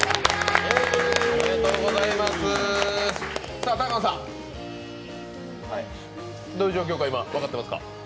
さあ、高野さん、どういう状況か、今分かってますか？